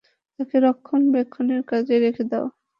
তাকে রক্ষণাবেক্ষণের কাজে রেখে দাও।